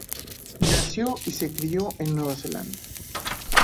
Nació y se crio en Nueva Zelanda.